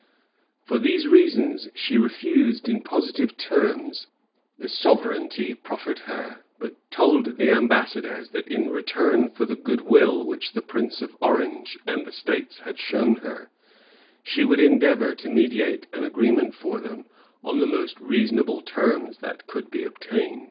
For these reasons, she refused, in positive terms, the sovereignty proffered her; but told the ambassadors, that, in return for the good will which the prince of Orange and the states had shown her, she would endeavor to mediate an agreement for them, on the most reasonable terms that could be obtained.